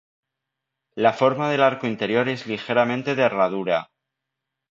La forma del arco interior es ligeramente de herradura.